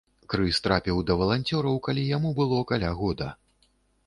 Крыс трапіў да валанцёраў калі яму было каля года.